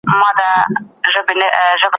موږ باید د حقایقو سترګو ته وګورو.